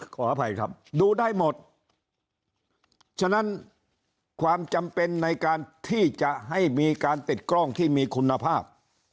ขออภัยครับดูได้หมดฉะนั้นความจำเป็นในการที่จะให้มีการติดกล้องที่มีคุณภาพ